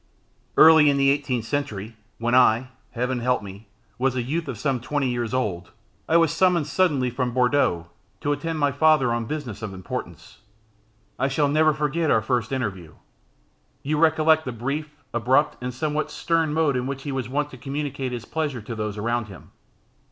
Early in the 18th century, when I (Heaven help me) was a youth of some twenty years old, I was summoned suddenly from Bourdeaux to attend my father on business of importance. I shall never forget our first interview. You recollect the brief, abrupt, and somewhat stern mode in which he was wont to communicate his pleasure to those around him.